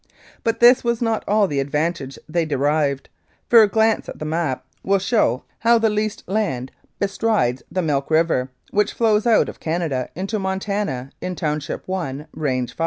But this was not all the advantage they derived, for a glance at the map will show how A the leased land bestrides the Milk River, which flows out of Canada into Montana in Township i, Range 5.